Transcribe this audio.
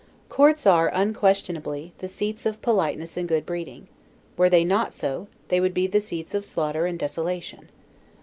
Courts are, unquestionably, the seats of politeness and good breeding; were they not so, they would be the seats of slaughter and desolation.